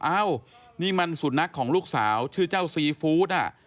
อ้าวนี่มันสุนัขของลูกสาวชื่อเจ้าซีฟู้ด